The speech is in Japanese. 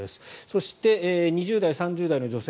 そして、２０代、３０代の女性